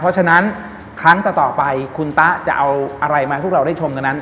เพราะฉะนั้นครั้งต่อไปคุณตะจะเอาอะไรมาให้พวกเราได้ชมกันนั้น